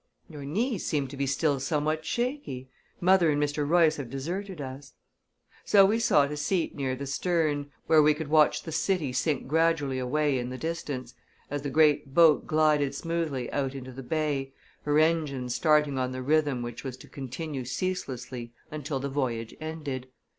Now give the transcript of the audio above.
"Your knees seem to be still somewhat shaky. Mother and Mr. Royce have deserted us." So we sought a seat near the stern, where we could watch the city sink gradually away in the distance, as the great boat glided smoothly out into the bay, her engines starting on the rhythm which was to continue ceaselessly until the voyage ended.